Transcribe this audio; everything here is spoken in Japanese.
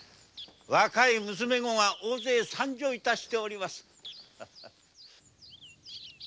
若い娘たちが大勢参上致しております。